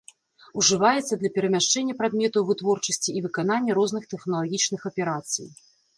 Ужываецца для перамяшчэння прадметаў вытворчасці і выканання розных тэхналагічных аперацый.